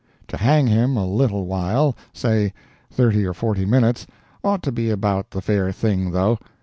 To hang him a little while—say thirty or forty minutes—ought to be about the fair thing, though.